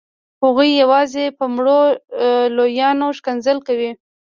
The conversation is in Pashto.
هغوی یوازې په مړو لویان ښکنځل کوي.